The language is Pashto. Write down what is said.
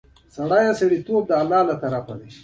اسرائیلي چارواکي یو څه اندېښمن دي.